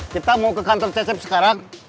kita mau ke kantor cecep sekarang